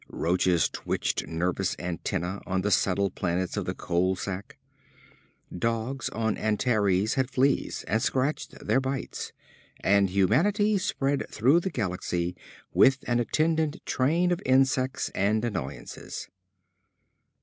Roaches twitched nervous antennae on the settled planets of the Coal sack. Dogs on Antares had fleas, and scratched their bites, and humanity spread through the galaxy with an attendant train of insects and annoyances.